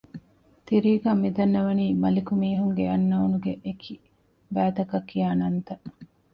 ތިރީގައި މިދަންނަވަނީ މަލިކު މީހުންގެ އަންނައުނުގެ އެކި ބައިތަކަށް ކިޔާ ނަންތައް